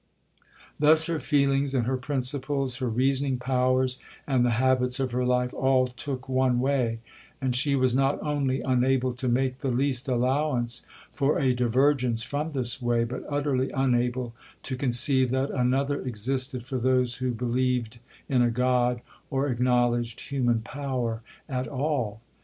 Thus her feelings and her principles,—her reasoning powers and the habits of her life, all took one way; and she was not only unable to make the least allowance for a divergence from this way, but utterly unable to conceive that another existed for those who believed in a God, or acknowledged human power at all.